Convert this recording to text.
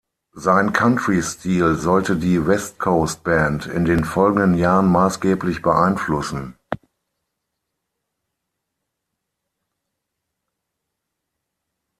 Sein Country-Stil sollte die Westcoast-Band in den folgenden Jahren maßgeblich beeinflussen.